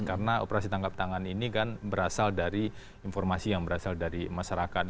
karena operasi tangkap tangan ini kan berasal dari informasi yang berasal dari masyarakat